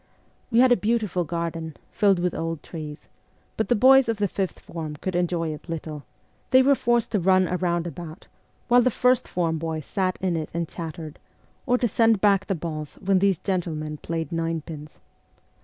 We had a beautiful garden, filled with old trees, but the boys of the fifth form could enjoy it little ; they were forced to run a roundabout, while the first form boys sat in it and chattered, or to send back the balls when these gentle men played nine pins.